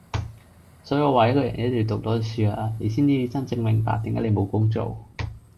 所以我話一個人一定要讀多啲書啊，你先至真正明白點解你會冇工做!